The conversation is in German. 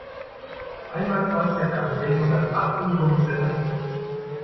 Einmal Zwangsjacke anlegen und dann ab in die Gummizelle!